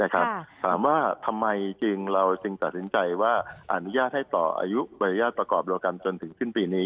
ถามว่าทำไมเราจึงตัดสินใจว่าอนุญาตให้ต่ออายุบรรยาทประกอบโลกันจนถึงสิ้นปีนี้